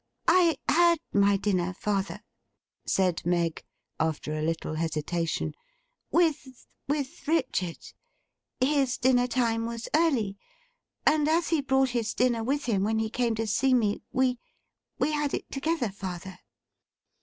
'I had my dinner, father,' said Meg, after a little hesitation, 'with—with Richard. His dinner time was early; and as he brought his dinner with him when he came to see me, we—we had it together, father.